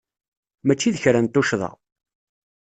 Mačči d kra n tuccḍa.